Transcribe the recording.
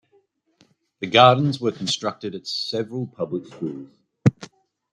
The gardens were constructed at several public schools.